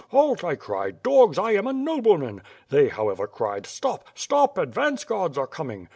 'Halt,' I cried, 'Dogs, I am a nobleman.' They, however, cried, *Stop, stop! advance guards are coming.'